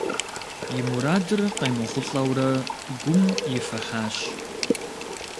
И мурадыр къемыхъулӏэурэ, гум ифыхьащ.